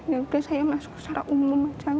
ya udah saya masuk secara umum aja